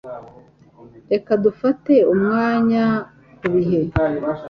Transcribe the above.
Reka dufate umwanya kubihe.